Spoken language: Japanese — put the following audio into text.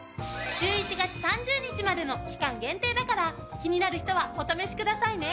１１月３０日までの期間限定だから気になる人はお試しくださいね。